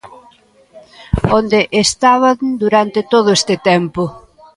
Onde estaban durante todo este tempo?